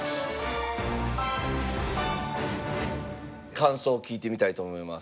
感想を聞いてみたいと思います。